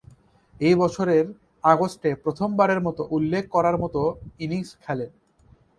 ঐ বছরের আগস্টে প্রথমবারের মতো উল্লেখ করার মতো ইনিংস খেলেন।